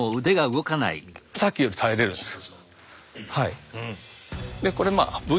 さっきより耐えれるんですよ。